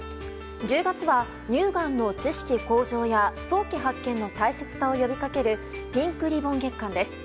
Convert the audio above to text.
１０月は、乳がんの知識向上や早期発見の大切さを呼びかけるピンクリボン月間です。